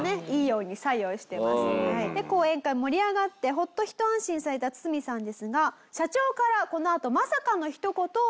でもね講演会盛り上がってホッとひと安心されたツツミさんですが社長からこのあとまさかのひと言を言われます。